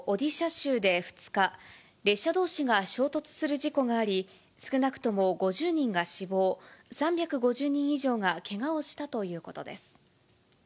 州で２日、列車どうしが衝突する事故があり、少なくとも５０人が死亡、３５０人以上がけがをしたということです。